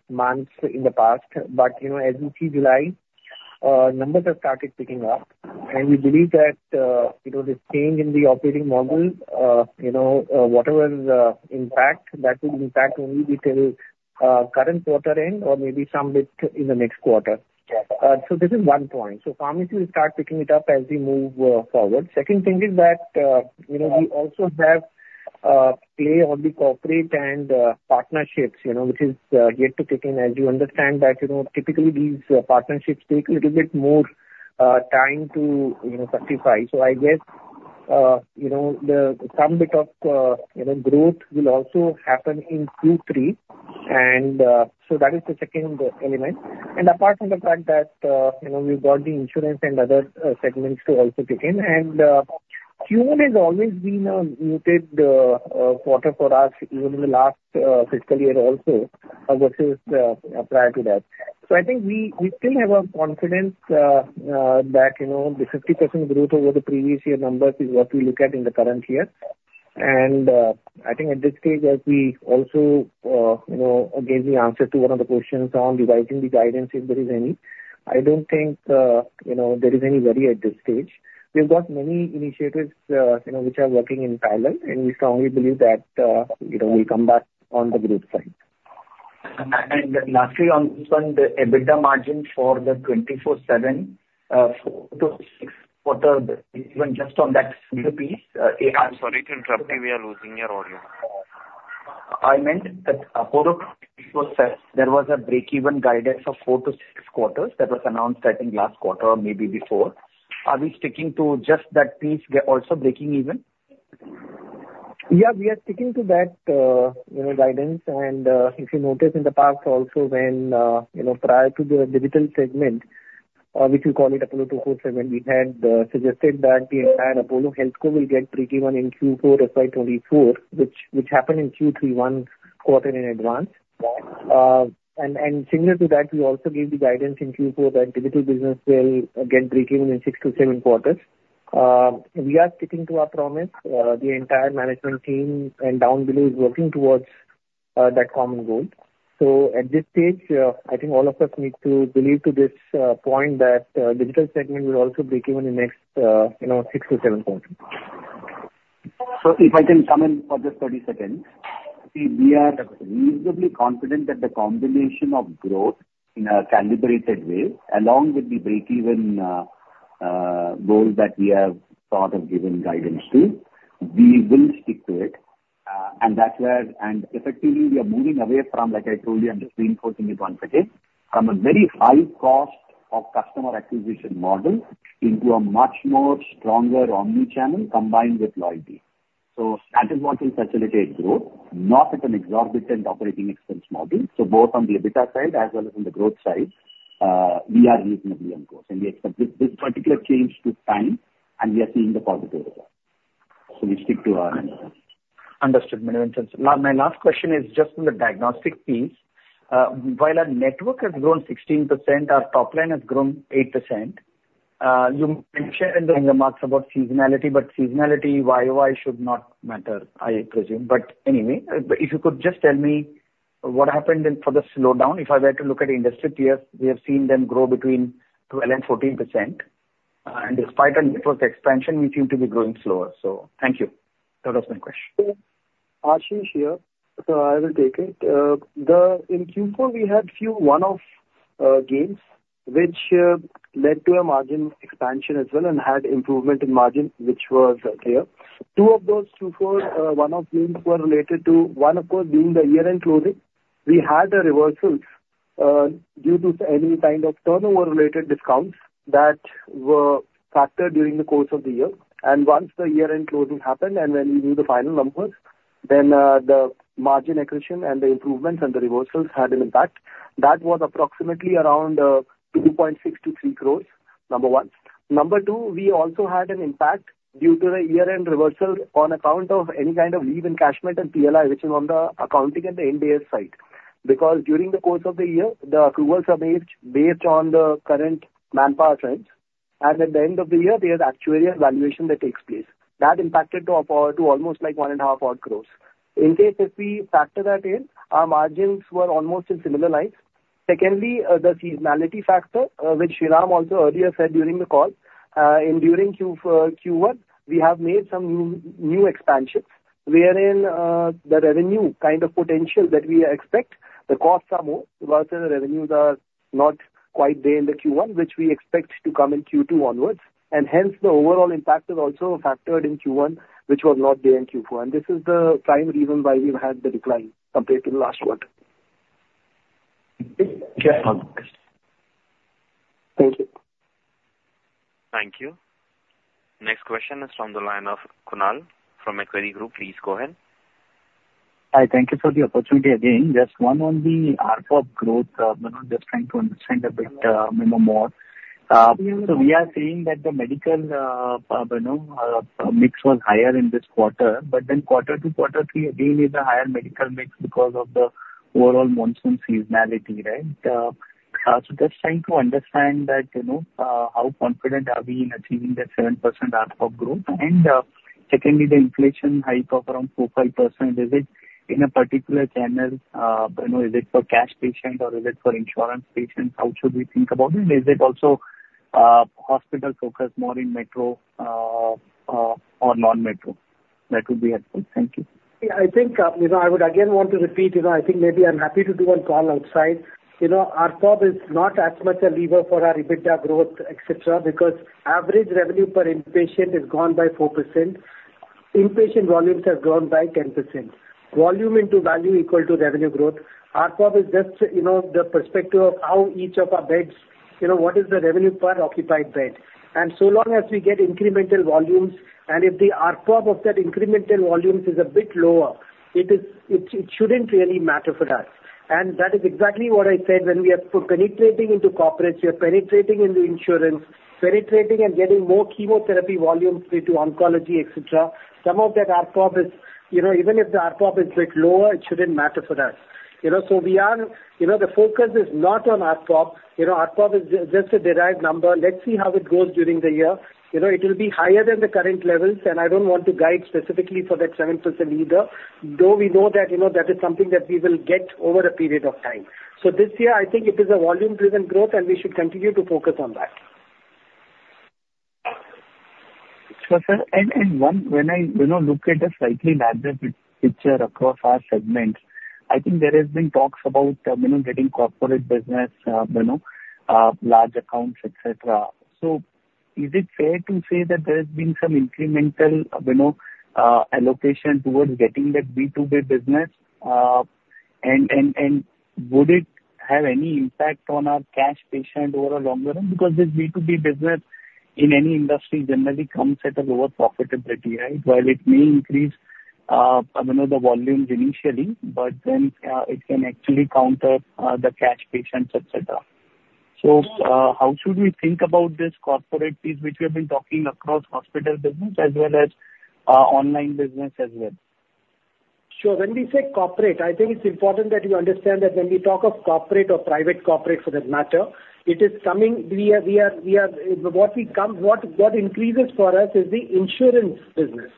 months in the past. But, you know, as we see July numbers have started picking up. And we believe that, you know, this change in the operating model, you know, whatever is impact, that will impact only until current quarter end or maybe some bit in the next quarter. Yeah. So this is one point. So pharmacy will start picking it up as we move forward. Second thing is that, you know, we also have play on the corporate and partnerships, you know, which is yet to kick in. As you understand that, you know, typically these partnerships take little bit more time to, you know, solidify. So I guess, you know, the some bit of growth will also happen in Q3, and so that is the second element. And apart from the fact that, you know, we've got the insurance and other segments to also kick in. And June has always been a muted quarter for us, even in the last fiscal year also, versus prior to that. So I think we still have a confidence that, you know, the 50% growth over the previous year numbers is what we look at in the current year. And I think at this stage, as we also, you know, again, the answer to one of the questions on revising the guidance, if there is any, I don't think, you know, there is any worry at this stage. We've got many initiatives, you know, which are working in parallel, and we strongly believe that, you know, we'll come back on the growth side. And lastly on the EBITDA margin for the 24/7, 4-6 quarter, even just on that piece. I'm sorry to interrupt you. We are losing your audio. I meant that, for the quarter said there was a break-even guidance of 4-6 quarters. That was announced, I think, last quarter or maybe before. Are we sticking to just that piece, we are also breaking even? Yeah, we are sticking to that, you know, guidance. And, if you notice in the past also, when, you know, prior to the digital segment, which we call it Apollo 24/7, we had suggested that the entire Apollo HealthCo will get break-even in Q4 of FY 2024, which, which happened in Q3, one quarter in advance. Right. And similar to that, we also gave the guidance in Q4 that digital business will get break-even in 6-7 quarters. We are sticking to our promise. The entire management team and down below is working towards that common goal. So at this stage, I think all of us need to believe to this point that digital segment will also break even in the next, you know, 6-7 quarters. So if I can come in for just 30 seconds. We, we are reasonably confident that the combination of growth in a calibrated way, along with the break-even, goal that we have sort of given guidance to, we will stick to it. And that's where... And effectively, we are moving away from, like I told you, I'm just reinforcing the point again, from a very high cost of customer acquisition model into a much more stronger omni-channel combined with loyalty. So that is what will facilitate growth, not at an exorbitant operating expense model. So both on the EBITDA side as well as on the growth side, we are reasonably on course, and we expect this, this particular change took time, and we are seeing the positive result. So we stick to our numbers. Understood, Madhivanan. My, my last question is just on the diagnostic piece. While our network has grown 16%, our top line has grown 8%. You mentioned in the remarks about seasonality, but seasonality, YOY should not matter, I presume. But anyway, but if you could just tell me what happened in, for the slowdown, if I were to look at industry peers, we have seen them grow between 12% and 14%. And despite our network expansion, we seem to be growing slower. So thank you. That was my question. Ashish here. So I will take it. In Q4, we had a few one-off gains, which led to a margin expansion as well and had improvement in margin, which was there. Two of those Q4 one-off gains were related to, one, of course, during the year-end closing, we had a reversal due to any kind of turnover-related discounts that were factored during the course of the year. And once the year-end closing happened, and when we knew the final numbers, then the margin accretion and the improvements and the reversals had an impact. That was approximately around 2.6 crores-3 crores, number one. Number two, we also had an impact due to the year-end reversal on account of any kind of leave encashment and PLI, which is on the accounting and the NDA side. Because during the course of the year, the accruals are based on the current manpower trends, and at the end of the year, there's actuarial valuation that takes place. That impacted up our almost like 1.5 odd crores. In case if we factor that in, our margins were almost in similar lines. ... secondly, the seasonality factor, which Sriram also earlier said during the call, and during Q, Q1, we have made some new, new expansions wherein, the revenue kind of potential that we expect, the costs are more versus the revenues are not quite there in the Q1, which we expect to come in Q2 onwards, and hence the overall impact is also factored in Q1, which was not there in Q4. This is the prime reason why we've had the decline compared to the last quarter. Yes, thank you. Thank you. Next question is from the line of Kunal from Equirus Securities. Please go ahead. Hi, thank you for the opportunity again. Just one on the ARPOB growth, you know, just trying to understand a bit, you know, more. So we are seeing that the medical, you know, mix was higher in this quarter, but then quarter to quarter three, again, is a higher medical mix because of the overall monsoon seasonality, right? So just trying to understand that, you know, how confident are we in achieving that 7% ARPOB growth? And, secondly, the inflation hike of around 4-5%, is it in a particular channel? You know, is it for cash patient or is it for insurance patients? How should we think about it? Is it also, hospital focused more in metro, or non-metro? That would be helpful. Thank you. Yeah, I think, you know, I would again want to repeat, you know, I think maybe I'm happy to do a call outside. You know, ARPOB is not as much a lever for our EBITDA growth, et cetera, because average revenue per inpatient is gone by 4%. Inpatient volumes have grown by 10%. Volume into value equal to revenue growth. ARPOB is just, you know, the perspective of how each of our beds... You know, what is the revenue per occupied bed? And so long as we get incremental volumes, and if the ARPOB of that incremental volumes is a bit lower, it shouldn't really matter for us. And that is exactly what I said when we are penetrating into corporates, we are penetrating into insurance, penetrating and getting more chemotherapy volumes into oncology, et cetera. Some of that ARPOB is, you know, even if the ARPOB is bit lower, it shouldn't matter for us. You know, so we are... You know, the focus is not on ARPOB. You know, ARPOB is just a derived number. Let's see how it goes during the year. You know, it will be higher than the current levels, and I don't want to guide specifically for that 7% either, though we know that, you know, that is something that we will get over a period of time. So this year, I think it is a volume-driven growth, and we should continue to focus on that. So, sir, when I, you know, look at the slightly larger picture across our segments, I think there has been talks about, you know, getting corporate business, you know, large accounts, et cetera. So is it fair to say that there has been some incremental, you know, allocation towards getting that B2B business? And would it have any impact on our cash patient over a longer run? Because this B2B business in any industry generally comes at a lower profitability, right? While it may increase, you know, the volumes initially, but then, it can actually counter the cash patients, et cetera. So, how should we think about this corporate piece, which we have been talking across hospital business as well as, online business as well? Sure. When we say corporate, I think it's important that you understand that when we talk of corporate or private corporate for that matter, it is coming. We are. What increases for us is the insurance business.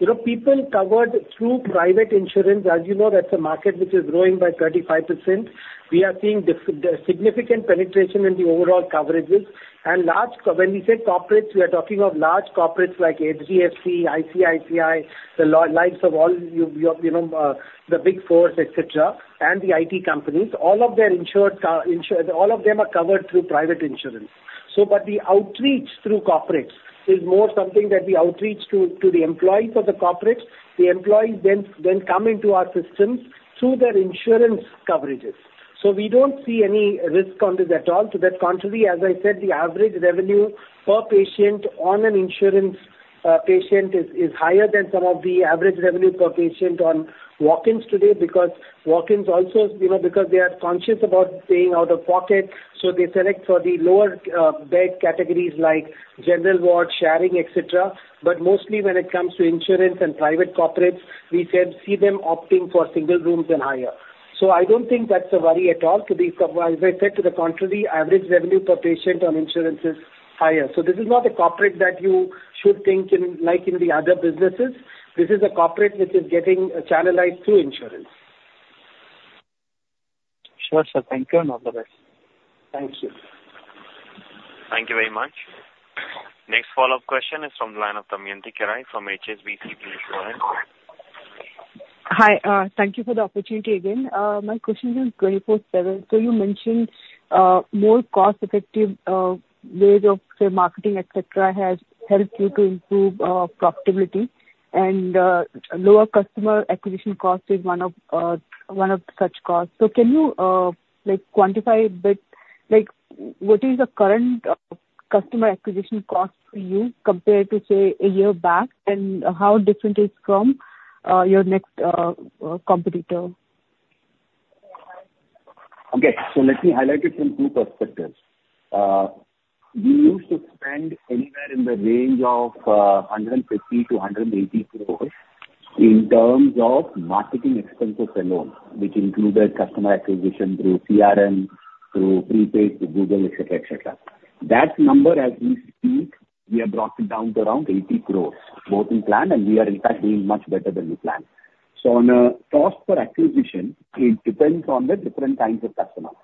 You know, people covered through private insurance, as you know, that's a market which is growing by 35%. We are seeing significant penetration in the overall coverages. And large. When we say corporates, we are talking of large corporates like HDFC, ICICI, the likes of all you know, the Big Four, et cetera, and the IT companies. All of their insured, all of them are covered through private insurance. So, but the outreach through corporates is more something that we outreach to the employees of the corporates. The employees then come into our systems through their insurance coverages. So we don't see any risk on this at all. To the contrary, as I said, the average revenue per patient on an insurance patient is higher than some of the average revenue per patient on walk-ins today. Because walk-ins also, you know, because they are conscious about paying out-of-pocket, so they select for the lower bed categories like general ward, sharing, et cetera. But mostly when it comes to insurance and private corporates, we see them opting for single rooms and higher. So I don't think that's a worry at all. As I said, to the contrary, average revenue per patient on insurance is higher. So this is not a corporate that you should think in, like in the other businesses. This is a corporate which is getting channelized through insurance. Sure, sir. Thank you, and all the best. Thank you. Thank you very much. Next follow-up question is from the line of Damayanti Kerai from HSBC. Please go ahead. Hi, thank you for the opportunity again. My question is 24/7. So you mentioned more cost-effective ways of, say, marketing, et cetera, has helped you to improve profitability, and lower customer acquisition cost is one of one of such costs. So can you, like, quantify a bit, like, what is the current customer acquisition cost for you compared to, say, a year back? And how different is it from your next competitor? Okay, so let me highlight it from two perspectives. We used to spend anywhere in the range of 150-180 crores in terms of marketing expenses alone, which included customer acquisition through CRM, through prepaid, Google, et cetera, et cetera. That number, as we speak, we have brought it down to around 80 crores, both in plan, and we are in fact doing much better than we planned.... So on a cost per acquisition, it depends on the different kinds of customers.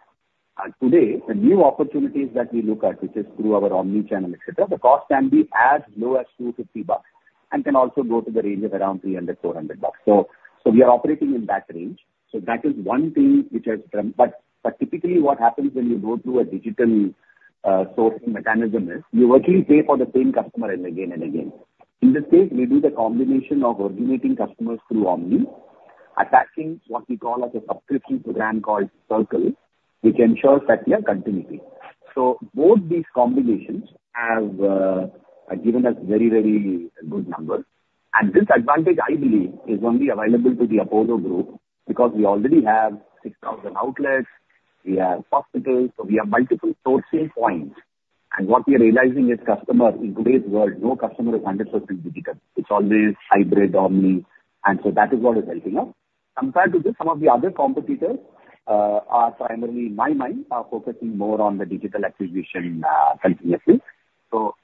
And today, the new opportunities that we look at, which is through our omni-channel, et cetera, the cost can be as low as 250 bucks and can also go to the range of around 300-400 bucks. So, so we are operating in that range. So that is one thing which has come. But, but typically, what happens when you go through a digital sourcing mechanism is you virtually pay for the same customer and again and again. In this case, we do the combination of originating customers through omni, attaching what we call as a subscription program called Circle, which ensures customer continuity. So both these combinations have given us very, very good numbers. This advantage, I believe, is only available to the Apollo group because we already have 6,000 outlets, we have hospitals, so we have multiple sourcing points. What we are realizing is customers, in today's world, no customer is 100% digital. It's always hybrid, omni, and so that is what is helping us. Compared to this, some of the other competitors are primarily, in my mind, focusing more on the digital acquisition continuously.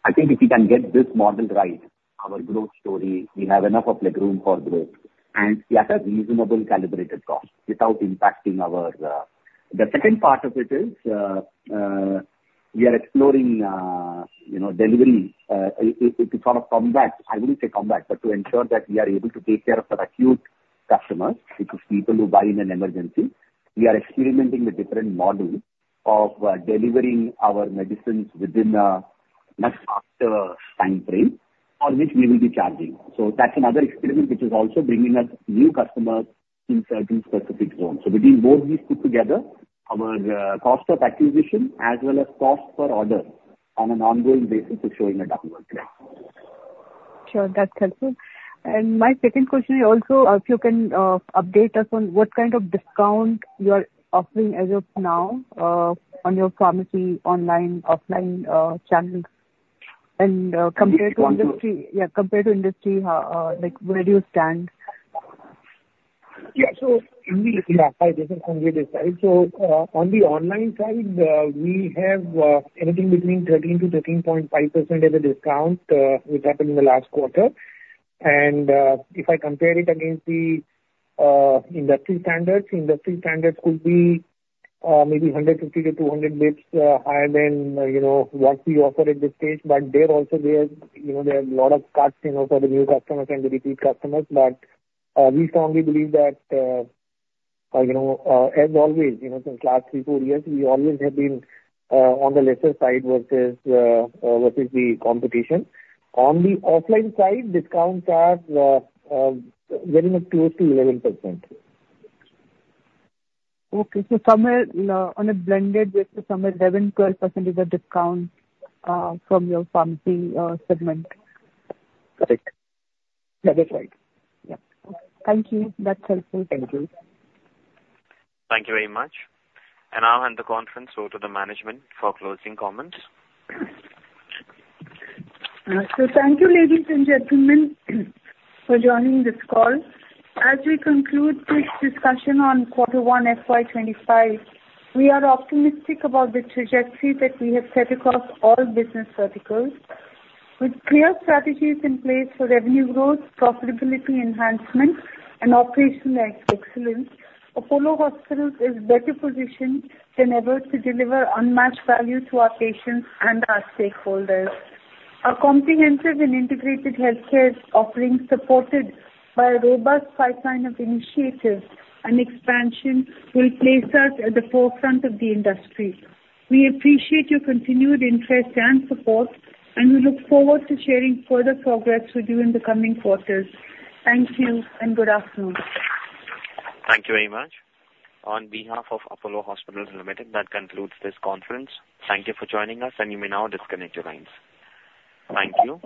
I think if we can get this model right, our growth story, we have enough of legroom for growth and at a reasonable calibrated cost without impacting our... The second part of it is, we are exploring, you know, delivery to sort of combat, I wouldn't say combat, but to ensure that we are able to take care of our acute customers, which is people who buy in an emergency. We are experimenting with different models of delivering our medicines within a much faster timeframe, for which we will be charging. So that's another experiment which is also bringing us new customers in certain specific zones. So between both these put together, our cost of acquisition as well as cost per order on an ongoing basis is showing a downward trend. Sure. That's helpful. My second question is also if you can update us on what kind of discount you are offering as of now on your pharmacy, online, offline channels, and compared to industry- Which one? Yeah, compared to industry, like, where do you stand? Yeah. So in the, yeah, I guess from we decide. So, on the online side, we have anything between 13-13.5% as a discount, which happened in the last quarter. And, if I compare it against the, industry standards, industry standards could be, maybe 150-200 basis points, higher than, you know, what we offer at this stage. But there also there's, you know, there are a lot of cuts, you know, for the new customers and the repeat customers. But, we strongly believe that, you know, as always, you know, since last 3-4 years, we always have been, on the lesser side versus, versus the competition. On the offline side, discounts are, very much close to 11%. Okay. So somewhere, on a blended basis, somewhere 11%-12% is a discount from your pharmacy segment? Correct. Yeah, that's right. Yeah. Thank you. That's helpful. Thank you. Thank you very much. I'll hand the conference over to the management for closing comments. So thank you, ladies and gentlemen, for joining this call. As we conclude this discussion on quarter 1 FY 25, we are optimistic about the trajectory that we have set across all business verticals. With clear strategies in place for revenue growth, profitability enhancement and operational excellence, Apollo Hospitals is better positioned than ever to deliver unmatched value to our patients and our stakeholders. Our comprehensive and integrated healthcare offerings, supported by a robust pipeline of initiatives and expansion, will place us at the forefront of the industry. We appreciate your continued interest and support, and we look forward to sharing further progress with you in the coming quarters. Thank you, and good afternoon. Thank you very much. On behalf of Apollo Hospitals Limited, that concludes this conference. Thank you for joining us, and you may now disconnect your lines. Thank you.